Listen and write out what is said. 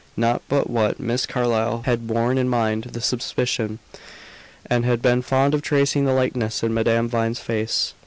Not but what Miss Carlyle had borne in mind the suspicion, and had been fond of tracing the likeness in Madame Vine's face.